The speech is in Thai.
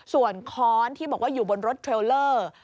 ส่วนค้อนที่บอกว่าอยู่บนรถเทรลเลอร์